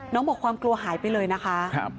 บอกความกลัวหายไปเลยนะคะ